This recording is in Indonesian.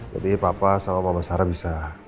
jadi papa sama mama sarah bisa